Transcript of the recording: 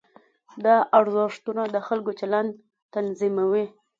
دا ارزښتونه د خلکو چلند تنظیموي.